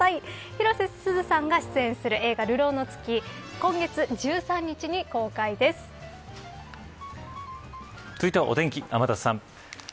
広瀬すずさんが出演する映画流浪の月続いてはお天気、天達さん。